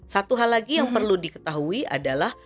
satu hal lagi yang perlu diketahui adalah